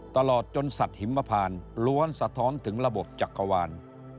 ตลอดจนสัตว์หิมพานล้วนสะท้อนถึงระบบจักรวาล